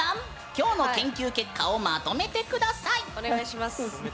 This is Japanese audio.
今日の研究結果をまとめてください。